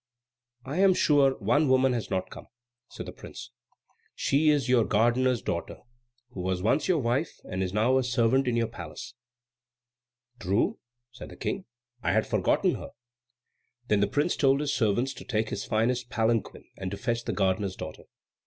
"I am sure one woman has not come," said the prince. "She is your gardener's daughter, who was once your wife and is now a servant in your palace." "True," said the King, "I had forgotten her." Then the prince told his servants to take his finest palanquin and to fetch the gardener's daughter.